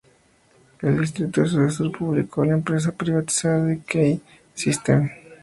El distrito es el sucesor público a la empresa privatizada "Key System".